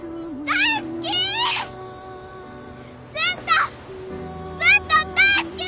大好き！